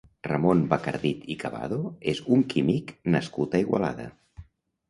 Ramon Bacardit i Cabado és un químic nascut a Igualada.